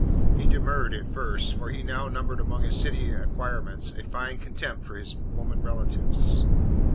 He demurred at first, for he now numbered among his city acquirements a fine contempt for his woman relatives.